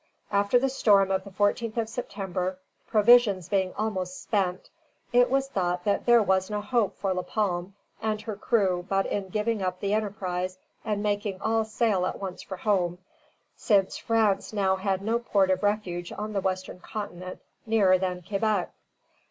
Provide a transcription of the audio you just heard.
After the storm of the 14th of September, provisions being almost spent, it was thought that there was no hope for "La Palme" and her crew but in giving up the enterprise and making all sail at once for home, since France now had no port of refuge on the western continent nearer than Quebec.